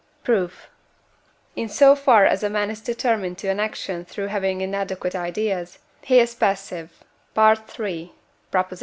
Proof. In so far as a man is determined to an action through having inadequate ideas, he is passive (III.